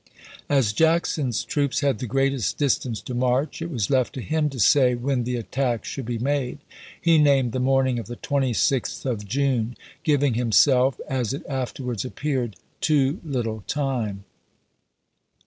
As Jackson's troops had the greatest distance to march, it was left to him to say when the attack should be made. He named the morning of the 26th of June, giving himself, as it afterwards appeared, too little time.